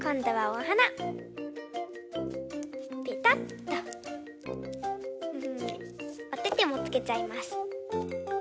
おててもつけちゃいます。